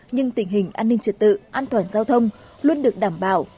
nhưng tình hình an ninh trật tự an toàn giao thông luôn được đảm bảo